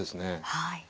はい。